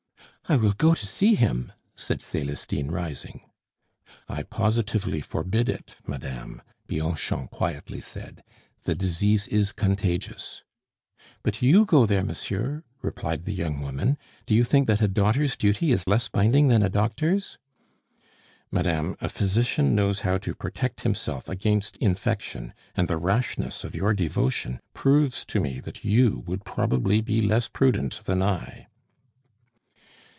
"I will go to see him," said Celestine, rising. "I positively forbid it, madame," Bianchon quietly said. "The disease is contagious." "But you go there, monsieur," replied the young woman. "Do you think that a daughter's duty is less binding than a doctor's?" "Madame, a physician knows how to protect himself against infection, and the rashness of your devotion proves to me that you would probably be less prudent than I."